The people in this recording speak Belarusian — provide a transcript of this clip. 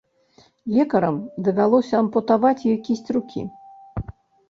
Лекарам давялося ампутаваць ёй кісць рукі.